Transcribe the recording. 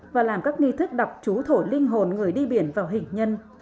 và làm các nghi thức đọc chú thổ linh hồn người đi biển vào hình nhân